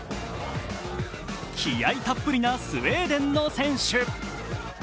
気合いたっぷりなスウェーデンの選手。